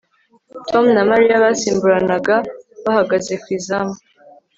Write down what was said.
Tom na Mariya basimburanaga bahagaze ku izamu